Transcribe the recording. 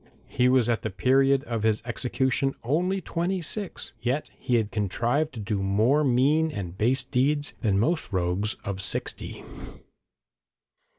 He was at the period of his execution only twenty six, yet he had contrived to do more mean and base deeds than most rogues of sixty.